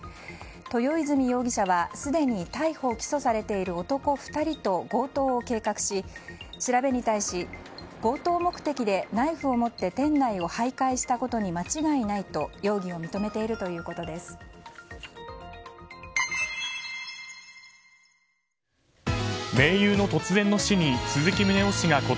豊泉容疑者はすでに逮捕・起訴されている男２人と強盗を計画し、調べに対し強盗目的でナイフを持って店内を徘徊したことに間違いないとやさしいマーン！！